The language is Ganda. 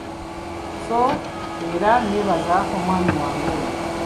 Sso era nneebaza omwami wange oyo.